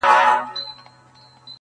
هغه به خپل زړه په ژړا وویني